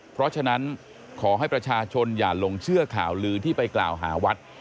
เพราะฉะนั้นขอให้ประชาชนอย่าหลงเชื่อข่าวลือที่ไปกล่าวหาวัด